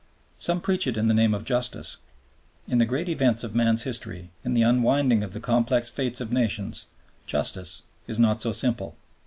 Some preach it in the name of Justice. In the great events of man's history, in the unwinding of the complex fates of nations Justice is not so simple.